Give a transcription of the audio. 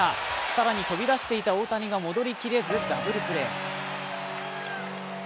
更に飛び出していた大谷が戻りきれずダブルプレー。